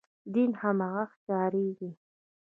دین هماغه ښکارېږي.